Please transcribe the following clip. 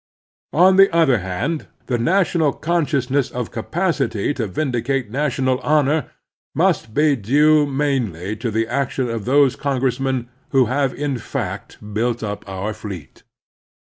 On the other hand,^he national consciousness of capacity to vindicate national hono^must be due mainly to the action of those congressmen who have in fact built up our fleet.